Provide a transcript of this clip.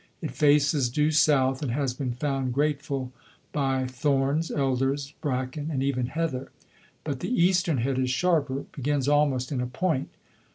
It faces due south and has been found grateful by thorns, elders, bracken and even heather. But the eastern head is sharper, begins almost in a point.